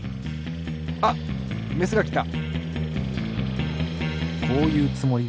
あっメスがきた！